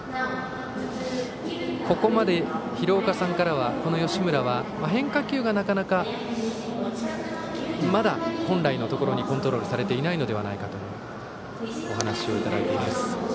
ここまで廣岡さんからは吉村は変化球がなかなか、まだ本来のところにコントロールされていないのではないかというお話をいただいています。